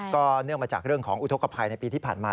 เนื่องมาจากเรื่องของอุทธกภัยในปีที่ผ่านมา